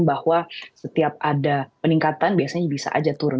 bahwa setiap ada peningkatan biasanya bisa aja turun